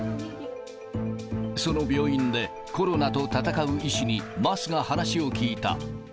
その病院で、コロナと闘う医師に、桝が話を聞いた。